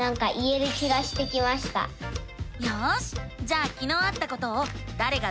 よしじゃあきのうあったことを「だれが」